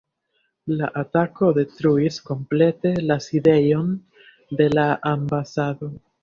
La atako detruis komplete la sidejon de la ambasado.